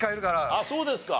ああそうですか。